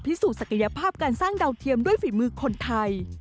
สูจนศักยภาพการสร้างดาวเทียมด้วยฝีมือคนไทย